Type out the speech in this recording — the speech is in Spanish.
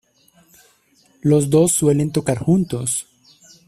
Los dos suelen tocar juntos.